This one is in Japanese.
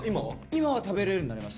今は食べれるようになりましたね。